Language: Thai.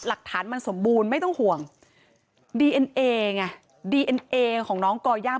หลักฐานมันสมบูรณ์ไม่ต้องห่วงดีเอ็นเอไงดีเอ็นเอของน้องก่อย่า